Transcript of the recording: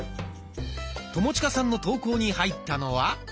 友近さんの投稿に入ったのは。